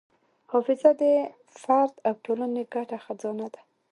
حافظه د فرد او ټولنې ګډ خزانه ده.